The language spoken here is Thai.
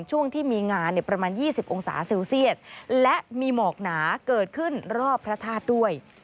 ช่วงที่มีงานประมาณ๒๐องศาเซลเซียสและมีหมอกหนาเกิดขึ้นรอบพระธาตุด้วย